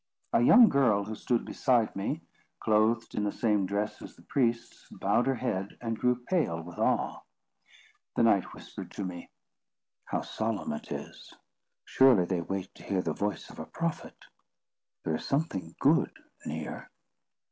A young girl who stood beside me, clothed in the same dress as the priests, bowed her head, and grew pale with awe. The knight whispered to me, "How solemn it is! Surely they wait to hear the voice of a prophet. There is something good near!"